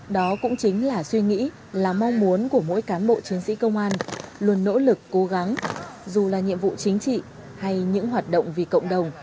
đó cũng chính là suy nghĩ là mong muốn của mỗi cán bộ chiến sĩ công an luôn nỗ lực cố gắng dù là nhiệm vụ chính trị hay những hoạt động vì cộng đồng